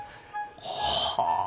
はあ。